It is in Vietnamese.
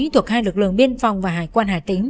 thuộc hai lực lượng biên phòng và hải quan hải tính